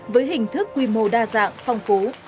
với hình thức quy mô đa dạng phong phố